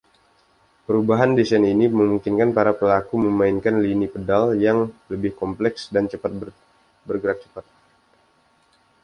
Perubahan desain ini memungkinkan para pelaku memainkan lini pedal yang lebih kompleks dan bergerak cepat.